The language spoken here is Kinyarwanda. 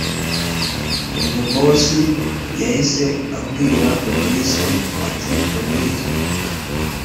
ubwo boss yahise abwira fabric ati”fabric